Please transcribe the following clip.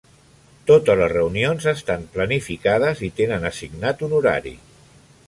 Totes les reunions estan planificades y tenen assignat un horari.